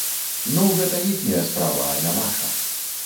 Ну гэта іхняя справа, а не наша!